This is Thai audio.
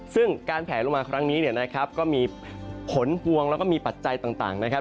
ซึ่งการแผลลงมาครั้งนี้เนี่ยนะครับก็มีผลพวงแล้วก็มีปัจจัยต่างนะครับ